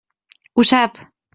Ho sap.